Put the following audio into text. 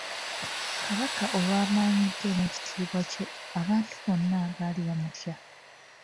Kabaka olw’amaanyi ge n’ekitiibwa kye, abantu bonna baalinga bamutya.